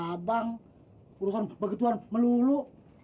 abang urusan begituan melulu